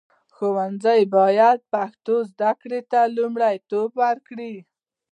ښوونځي باید د پښتو زده کړې ته لومړیتوب ورکړي.